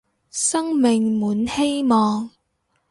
生命滿希望